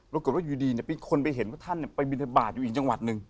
ปรากฏว่าอยู่ดีมีคนไปเห็นว่าท่านไปบินทบาทอยู่อีกจังหวัดหนึ่ง